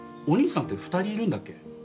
お兄さんって２人いるんだっけ？